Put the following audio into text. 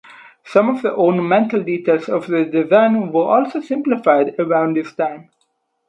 Some of the ornamental details of the design were also simplified around this time.